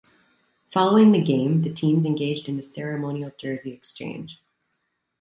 Following the game the teams engaged in a ceremonial jersey exchange.